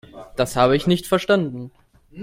Das habe ich nicht verstanden.